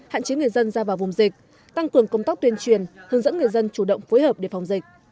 hạn chế người dân ra vào vùng dịch tăng cường công tác tuyên truyền hướng dẫn người dân chủ động phối hợp để phòng dịch